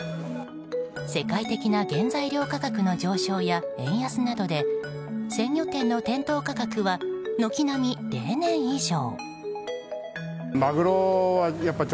世界的な原材料価格の上昇や円安などで鮮魚店の店頭価格は軒並み例年以上。